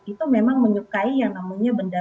itu memang menyukai yang namanya benda